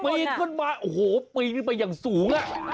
ปีนขึ้นมาโอ้โหปีนขึ้นไปอย่างสูง